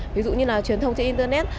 ví dụ như là truyền thông trên internet